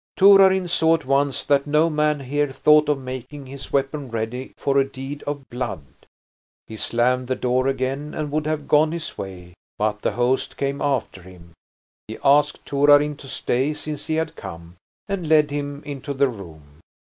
Torarin saw at once that no man here thought of making his weapon ready for a deed of blood. He slammed the door again and would have gone his way, but the host came after him. He asked Torarin to stay, since he had come, and led him into the room.